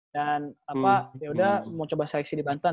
dan apa ya udah mau coba seleksi di banten